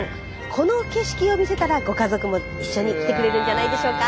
この景色を見せたらご家族も一緒に来てくれるんじゃないでしょうか？